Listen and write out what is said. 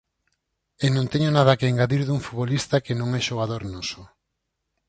E non teño nada que engadir dun futbolista que non é xogador noso.